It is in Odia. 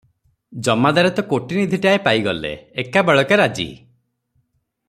ଜମାଦାରେ ତ କୋଟିନିଧିଟାଏ ପାଇଗଲେ, ଏକା ବେଳକେ ରାଜି ।